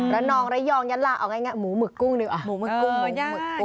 แล้วนองละยองหยัดละหมูหมึกกุ้งเลย